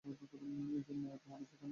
এইজন্য এত মানুষ এইখানে?